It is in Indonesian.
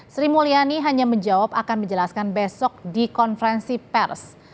sri mulyani hanya menjawab akan menjelaskan besok di konferensi pers